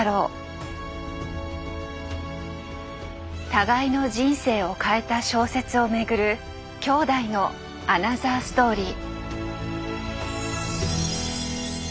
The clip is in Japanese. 互いの人生を変えた小説を巡る兄弟のアナザーストーリー。